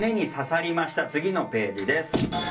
次のページです。